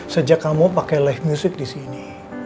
sejak kamu pake live music disini